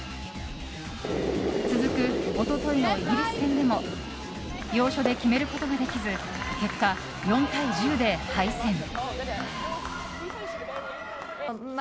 続く一昨日のイギリス戦でも要所で決めることができず結果、４対１０で敗戦。